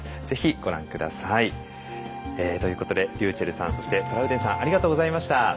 ぜひご覧下さい。ということでｒｙｕｃｈｅｌｌさんそしてトラウデンさんありがとうございました。